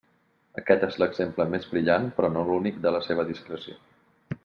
Aquest és l'exemple més brillant, però no l'únic, de la seva discreció.